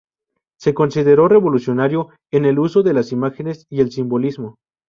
Se consideró revolucionario en el uso de las imágenes y el simbolismo.